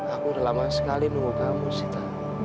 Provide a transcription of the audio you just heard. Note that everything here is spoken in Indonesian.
aku udah lama sekali nunggu kamu sita